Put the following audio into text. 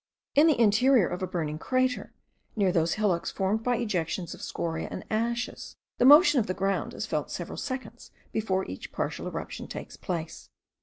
In the interior of a burning crater, near those hillocks formed by ejections of scoriae and ashes, the motion of the ground is felt several seconds before each partial eruption takes place.